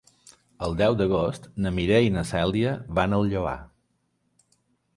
El deu d'agost na Mireia i na Cèlia van al Lloar.